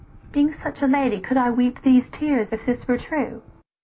"Being such a lady could I weep these tears If this were true?